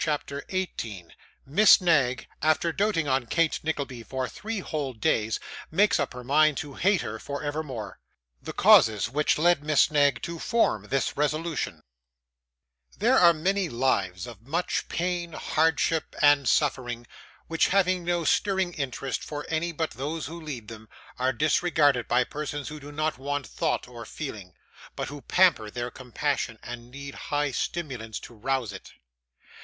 CHAPTER 18 Miss Knag, after doting on Kate Nickleby for three whole Days, makes up her Mind to hate her for evermore. The Causes which led Miss Knag to form this Resolution There are many lives of much pain, hardship, and suffering, which, having no stirring interest for any but those who lead them, are disregarded by persons who do not want thought or feeling, but who pamper their compassion and need high stimulants to rouse it.